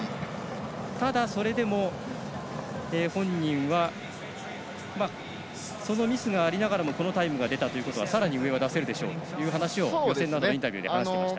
ただ、それでも本人はそのミスがありながらもこのタイムが出たということはさらに上は出せるでしょうという話を予選前のインタビューで話していました。